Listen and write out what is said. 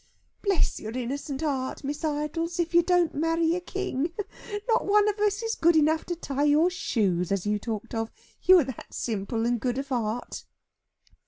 "Bless your innocent heart, Miss Idols, if you don't marry a king! Not one of us is good enough to tie your shoes as you talked of, you are that simple and good of heart."